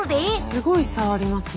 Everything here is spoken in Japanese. すごい差ありますね。